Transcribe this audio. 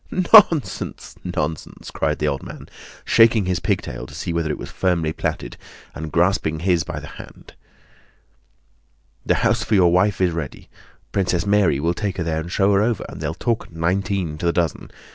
"Nonsense, nonsense!" cried the old man, shaking his pigtail to see whether it was firmly plaited, and grasping his by the hand. "The house for your wife is ready. Princess Mary will take her there and show her over, and they'll talk nineteen to the dozen.